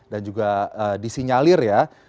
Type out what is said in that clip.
dan juga disinyalir ya